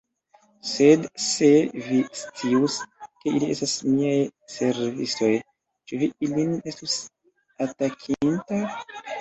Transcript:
Sed se vi scius, ke ili estas miaj servistoj, ĉu vi ilin estus atakinta?